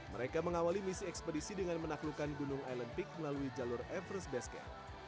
mereka mengawali misi ekspedisi dengan menaklukkan gunung island peak melalui jalur everse basket